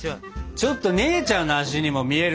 ちょっと姉ちゃんの足にも見える。